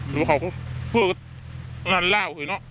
หรือว่าเขาก็เพื่อก็นั่นเล่าเห้ยเนาะ